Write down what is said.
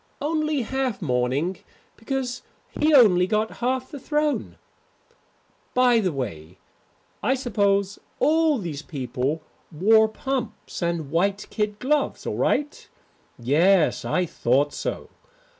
Only half mourning because he only got half the throne. By the way, I suppose all these people wore pumps and white kid gloves all right? Yes, I thought so.